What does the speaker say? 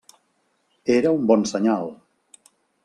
Era un bon senyal.